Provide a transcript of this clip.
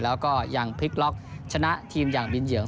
แล้วก็ยังพลิกล็อกชนะทีมอย่างบินเหยือง